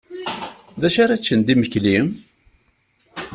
D acu ara ččen d imekli?